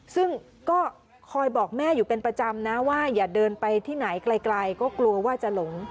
ซึ่งก็คอยบอกแม่อยู่เป็นประจำนะว่าอย่าเดินไปที่ไหนไกลก็กลัวว่าจะหลง